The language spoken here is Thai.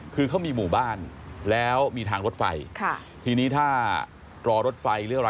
คือเขามีหมู่บ้านแล้วมีทางรถไฟค่ะทีนี้ถ้ารอรถไฟหรืออะไร